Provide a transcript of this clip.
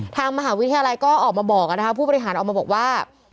ทางมหาวิทยาลัยก็ออกมาบอกนะคะผู้บริหารออกมาบอกว่า